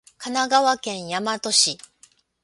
神奈川県大和市